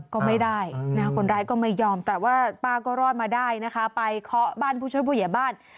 ก็ไม่ได้นะคนรายก็ไม่ยอมแต่ว่าบ้านผู้ชมผู้แห่งบ้าน